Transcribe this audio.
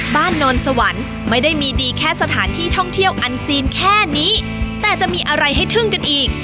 นอนสวรรค์ไม่ได้มีดีแค่สถานที่ท่องเที่ยวอันซีนแค่นี้แต่จะมีอะไรให้ทึ่งกันอีก